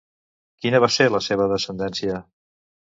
Quina va ser la seva descendència?